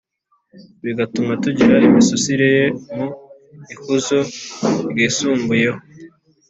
bigatuma tugira imisusire ye, mu ikuzo ryisumbuyeho